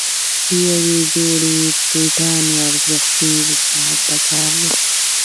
د یوې جوړې بوټانو ارزښت پنځه ساعته کار دی.